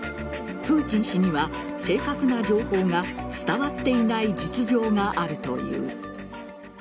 プーチン氏には正確な情報が伝わっていない実情があるという。